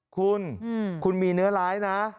คุณคุณมีเนื้อร้ายนะ